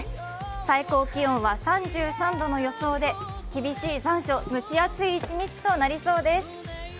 最高気温は３３度の予想で、厳しい残暑、蒸し暑い一日となりそうです。